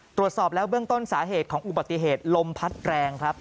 ตรวจสอบแล้วเบื้องต้นสาเหตุของอุบัติเหตุลมพัดแรงครับ